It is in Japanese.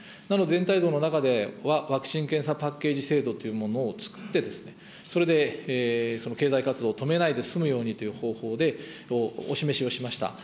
なので、全体像の中ではワクチン・検査パッケージ制度というものを作って、それで経済活動を止めないで済むようにという方法で、お示しをしました。